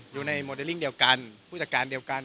อยู่ในโมเดลลิ่งเดียวกันผู้จัดการเดียวกัน